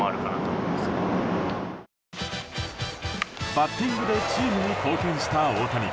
バッティングでチームに貢献した大谷。